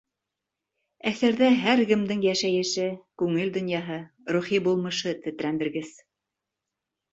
Әҫәрҙә һәр кемдең йәшәйеше, күңел донъяһы, рухи булмышы тетрәндергес.